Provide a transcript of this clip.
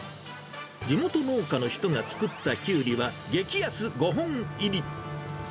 地元農家の人が作ったきゅうりは激安５本入り。